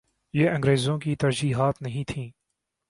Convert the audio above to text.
یہ انگریزوں کی ترجیحات نہیں تھیں۔